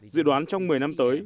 dự đoán trong một mươi năm tới